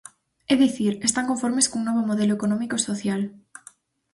É dicir, están conformes cun novo modelo económico e social.